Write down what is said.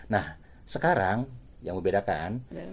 nah sekarang yang membedakan